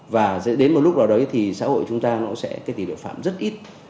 và đến một lúc đó thì xã hội chúng ta sẽ tỷ lệ phạm rất ít